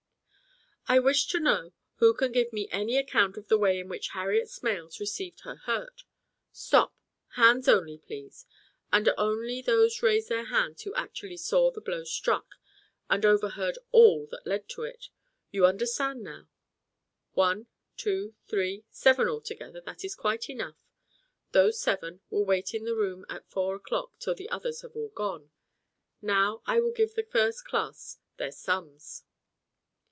"I wish to know who can give me any account of the way in which Harriet Smales received her hurt. Stop! Hands only, please. And only those raise their hands who actually saw the blow struck, and overheard all that led to it. You understand, now? One, two, three seven altogether, that is quite enough. Those seven will wait in the room at four o'clock till the others have all gone. Now I will give the first class their sums."